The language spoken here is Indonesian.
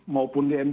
maupun di md tiga